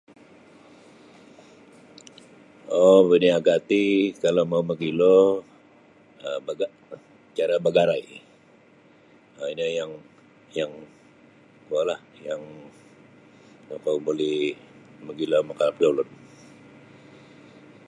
um Baniaga ti kalau mau mogilo um baga cara bagarai um ino yang yang kuolah yang tokou buli mogilo makaalap da ulun.